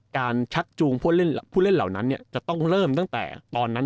การธักจูงผู้เล่นเหล่านั้นต้องได้ตั้งแต่ตอน๒๐๑๙